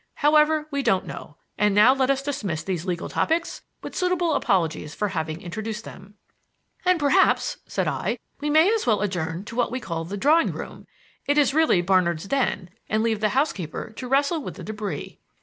However, we don't know; and now let us dismiss these legal topics, with suitable apologies for having introduced them." "And perhaps," said I, "we may as well adjourn to what we call the drawing room it is really Barnard's den and leave the housekeeper to wrestle with the debris."